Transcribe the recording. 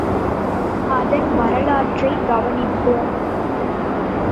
அதன் வரலாற்றைக் கவனிப்போம்.